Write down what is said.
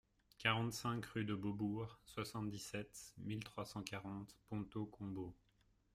quarante-cinq rue de Beaubourg, soixante-dix-sept mille trois cent quarante Pontault-Combault